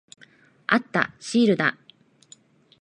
あった。シールだ。